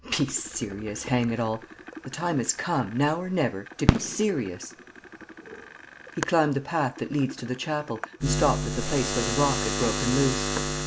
Be serious, hang it all! The time has come, now or never, to be serious!" He climbed the path that leads to the chapel and stopped at the place where the rock had broken loose.